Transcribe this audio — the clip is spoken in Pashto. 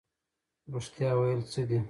رښتیا ویل څه دي؟